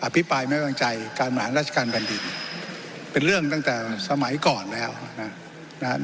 อภิปรายไม่บังใจการหมายราชการบัณฑิตเป็นเรื่องตั้งแต่สมัยก่อนแล้วนะฮะ